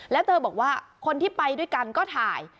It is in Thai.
แล้วเธอบอกว่าคนที่ไปด้วยกันก็ถ่าย